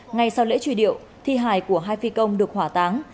ngay sau lễ truy điệu thi hài của hai phi công được hỏa táng